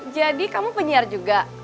jadi kamu penyiar juga